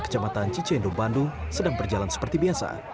kecamatan cicendo bandung sedang berjalan seperti biasa